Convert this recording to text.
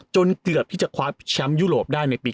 เกือบที่จะคว้าแชมป์ยุโรปได้ในปี๒๕